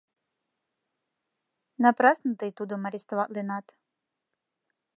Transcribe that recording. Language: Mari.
Напрасно тый тудым арестоватленат.